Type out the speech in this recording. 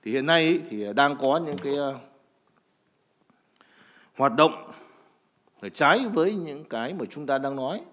hiện nay thì đang có những hoạt động trái với những cái mà chúng ta đang nói